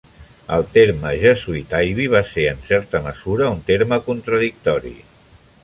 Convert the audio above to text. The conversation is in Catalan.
El terme "Jesuit Ivy" va ser, en certa mesura, un terme contradictori.